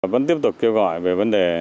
vẫn tiếp tục kêu gọi về vấn đề